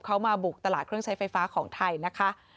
เขามาบุกตลาดเครื่องใช้ไฟฟ้าของไทยนะคะ